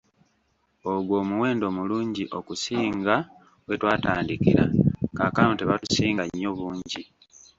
Ogwo omuwendo mulungi okusinga we twatandikira, kaakano tebatusinga nnyo bungi.